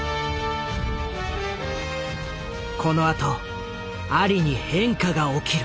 この後アリに変化が起きる。